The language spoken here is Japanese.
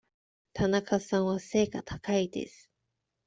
田中さんは背が高いです。